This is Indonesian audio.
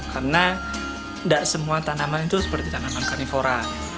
karena tidak semua tanaman itu seperti tanaman karnivora